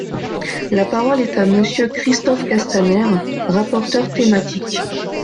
La parole est à Monsieur Christophe Castaner, rapporteur thématique.